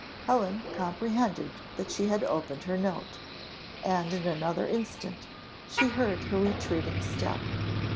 Helen comprehended that she had opened her note and in another instant she heard her retreating step.